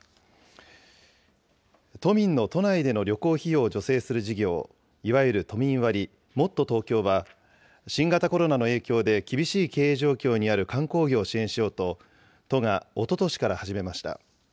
都民の都内での旅行費用を助成する事業、いわゆる都民割、もっとＴｏｋｙｏは、新型コロナの影響で厳しい経営状況にある観光業を支援しようと、都がおととしから始めました。